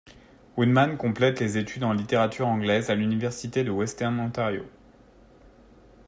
Woodman complète des études en littérature anglaise à l'Université de Western Ontario.